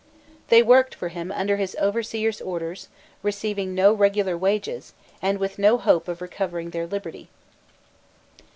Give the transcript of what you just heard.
They worked for him under his overseer's orders, receiving no regular wages, and with no hope of recovering their liberty.